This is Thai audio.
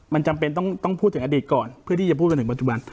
มันจำเป็นต้องถึงอดีตก่อนเพื่อที่จะพูดจากวันที่มาจุบัน